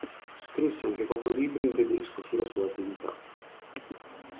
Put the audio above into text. Scrisse anche quattro libri in tedesco sulla sua attività.